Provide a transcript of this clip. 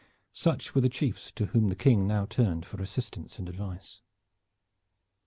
Such were the chiefs to whom the King now turned for assistance and advice.